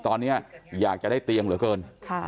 ตอนนี้อยากจะได้เตียงเหลือเกิน